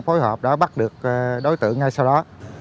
phối hợp đã bắt được đối tượng ngay sau đó